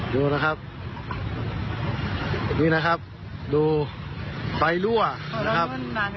ดูนะครับนี่นะครับดูไฟรั่วนะครับ